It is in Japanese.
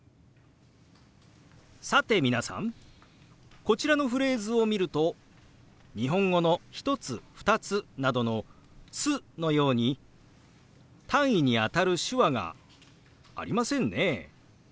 さて皆さんこちらのフレーズを見ると日本語の「１つ」「２つ」などの「つ」のように単位にあたる手話がありませんね。